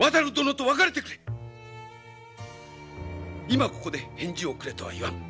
今ここで返事をくれとは言わぬ。